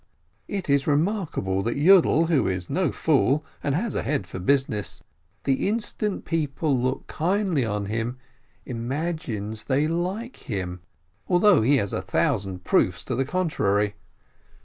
It is remarkable that Yiidel, who is no fool, and has a head for business, the instant people look kindly on him, imagines they like him, although he has had a thousand proofs to the contrary.